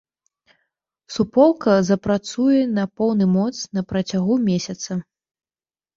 Суполка запрацуе на поўны моц на працягу месяца.